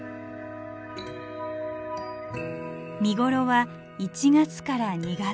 見頃は１月から２月。